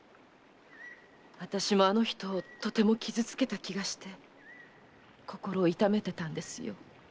私もあの人をとても傷つけた気がして心を痛めてたんですよ。